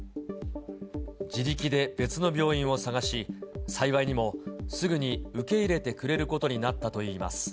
自力で別の病院を探し、幸いにもすぐに受け入れてくれることになったといいます。